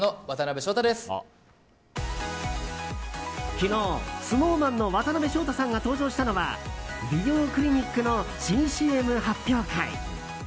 昨日、ＳｎｏｗＭａｎの渡辺翔太さんが登場したのは美容クリニックの新ＣＭ発表会。